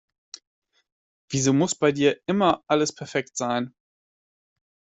Wieso muss bei dir immer alles perfekt sein?